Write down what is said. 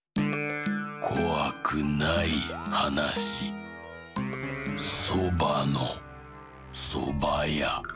こわくないはなし「そばのそばや」。